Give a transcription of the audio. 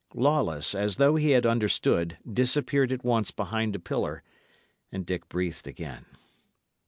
Lawless, as though he had understood, disappeared at once behind a pillar, and Dick breathed again.